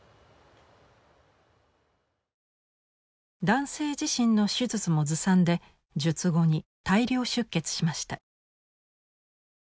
男性自身の手術もずさんで術後に大量出血しました。